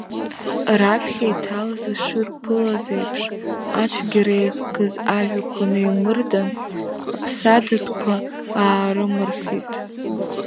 Раԥхьа иҭалаз ишырԥылаз еиԥш, ацәгьара иазкыз ажәақәа неимырдан, аԥсаҭатәқәа аарымырхит.